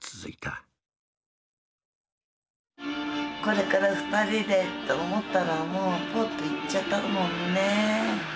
これから２人でと思ったらもうぽっと逝っちゃったもんね。